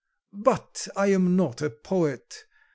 But I am not a poet.